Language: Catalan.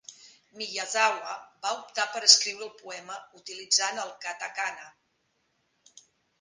Miyazawa va optar per escriure el poema utilitzant el katakana.